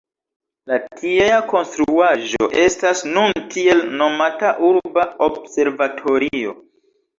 La tiea konstruaĵo estas nun tiel nomata Urba Observatorio.